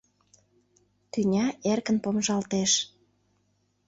Тӱня эркын помыжалтеш.